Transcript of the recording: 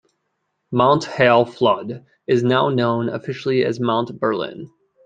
Mount Hal Flood is now known officially as Mount Berlin.